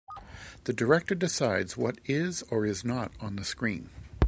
The director decides what is and is not on the screen.